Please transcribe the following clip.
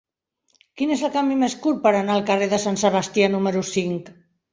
Quin és el camí més curt per anar al carrer de Sant Sebastià número cinc?